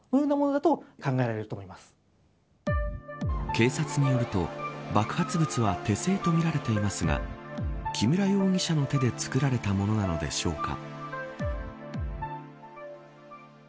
警察によると爆発物は手製とみられていますが木村容疑者の手で作られたものなのでしょうか。